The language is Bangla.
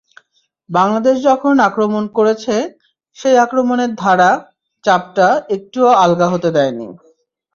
বাংলাদেশ যখন আক্রমণ করেছে, সেই আক্রমণের ধারা, চাপটা একটুও আলগা হতে দেয়নি।